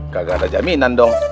gak ada jaminan dong